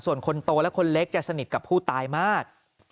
ส่วนคนโตและคนเล็กจะสนิทกับผู้ตายมาก